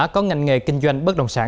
có ngành nghề kinh doanh bất đồng sản